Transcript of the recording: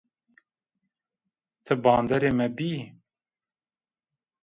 Ti banderê mi bîyî